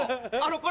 これ。